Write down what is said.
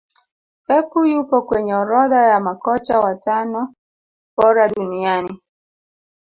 pepu yupo kwenye orodha ya makocha watano bora duniania